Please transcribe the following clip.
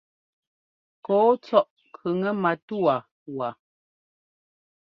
Kɔ́ɔ tsɔ́ʼ kʉŋɛ matúwa waa.